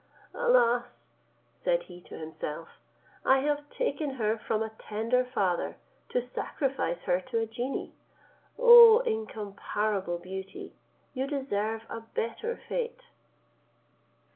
"Alas!" said he to himself, "I have taken her from a tender father, to sacrifice her to a genie. O incomparable beauty! you deserve a better fate."